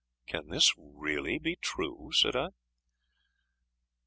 "Can this be really true?" said I.